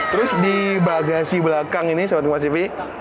terus di bagasi belakang ini sahabat kompastv